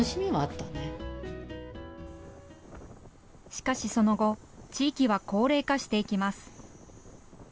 しかし、その後地域は高齢化していきます。